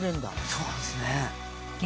そうなんですね。